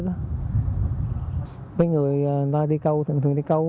cái người người ta đi câu thường thường đi câu